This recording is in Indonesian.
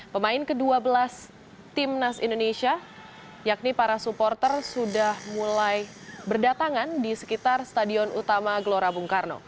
pemain ke dua belas timnas indonesia yakni para supporter sudah mulai berdatangan di sekitar stadion utama gelora bung karno